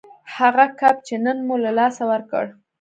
هغه کب چې نن مو له لاسه ورکړ